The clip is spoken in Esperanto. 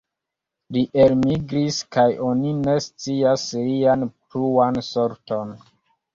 Li elmigris kaj oni ne scias lian pluan sorton.